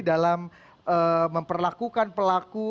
dalam memperlakukan pelaku